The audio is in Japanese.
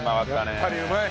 やっぱりうまい！